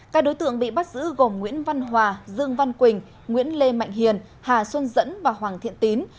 các đối tượng bị bắt giữ gồm nguyễn văn hòa dương văn quỳnh nguyễn lê mạnh hiền hà xuân dẫn và hoàng thiện tín